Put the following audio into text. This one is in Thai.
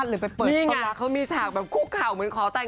จริงถ่ายรูปกันก็แบบ